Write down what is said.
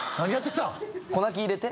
子泣き入れて。